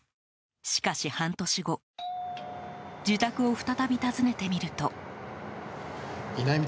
しかし、半年後自宅を再び訪ねてみると。